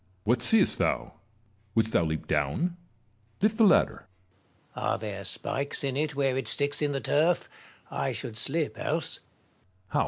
What seest thou ? Wouldst thou leap down ? Lift the ladder. Marius. Are there spikes in it where it sticks in the turf 1 I should slip else. Metellus. How